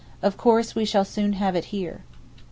Of course we shall soon have it here.